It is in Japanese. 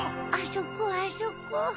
あそこあそこ。